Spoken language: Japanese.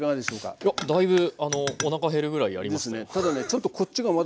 いやだいぶおなか減るぐらいやりましたハハ。ですね。